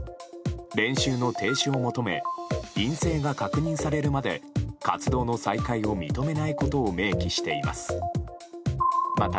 練習の停止を求め陰性が確認されるまで活動の再開を認めないことを明記しています。